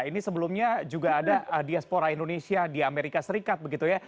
ini sebelumnya juga ada diaspora indonesia di amerika serikat begitu ya